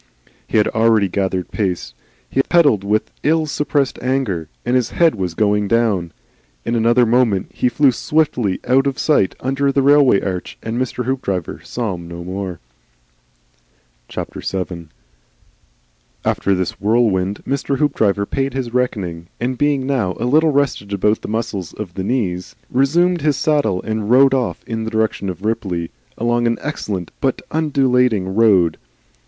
He had already gathered pace. He pedalled with ill suppressed anger, and his head was going down. In another moment he flew swiftly out of sight under the railway arch, and Mr. Hoopdriver saw him no more. VII. After this whirlwind Mr. Hoopdriver paid his reckoning and being now a little rested about the muscles of the knees resumed his saddle and rode on in the direction of Ripley, along an excellent but undulating road.